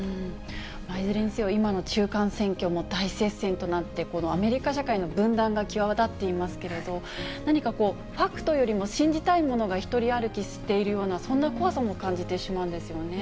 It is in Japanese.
いずれにせよ、今の中間選挙も大接戦となって、アメリカ社会の分断が際立っていますけれども、何かこう、ファクトよりも、信じたいものが独り歩きしているような、そんな怖さも感じてしまうんですよね。